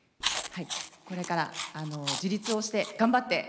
これから自立をして頑張って。